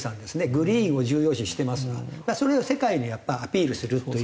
グリーンを重要視してますがそれを世界にアピールするという事。